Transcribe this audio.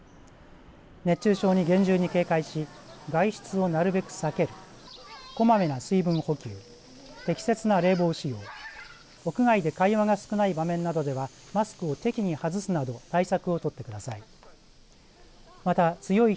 熱中症に厳重に警戒し外出をなるべく避けるこまめな水分補給適切な冷房使用屋外で会話が少ない場面などではマスクを適宜外すなど対策を取ってください。